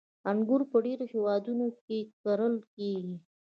• انګور په ډېرو هېوادونو کې کرل کېږي.